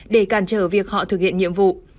để càn trở việc họ thực hiện nhiệm vụ